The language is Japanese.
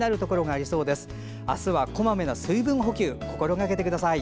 あすはこまめな水分補給心がけてください。